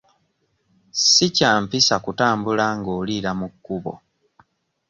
Si kya mpisa kutambula ng'oliira mu kkubo.